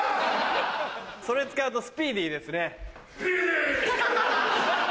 それ使うとスピーディーですね。